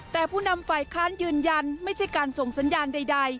แต่ผู้นำฝ่ายค้านยืนยันไม่ใช่การส่งสัญญาณใด